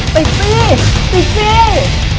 ปิ๊บติดสิติดสิ